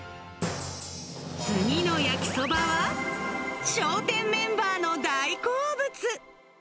次の焼きそばは、笑点メンバーの大好物。